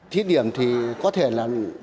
thí điểm thì có thể là quản lý được ngay